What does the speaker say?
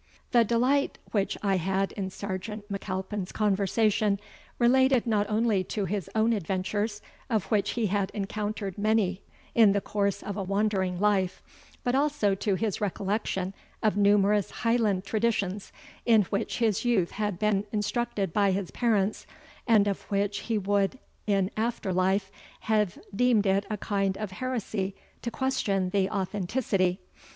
The delight which I had in Sergeant M'Alpin's conversation, related not only to his own adventures, of which he had encountered many in the course of a wandering life, but also to his recollection of numerous Highland traditions, in which his youth had been instructed by his parents, and of which he would in after life have deemed it a kind of heresy to question the authenticity.